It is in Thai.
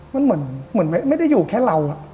มันเหมือนไม่ได้อยู่แค่เรา